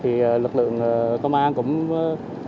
chia đầy đủ từng phần rau củ quả